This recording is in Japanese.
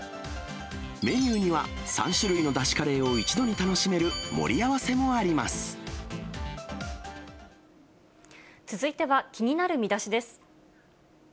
メニューには３種類の出汁カレーを一度に楽しめる盛り合わせ続いては気になるミダシです。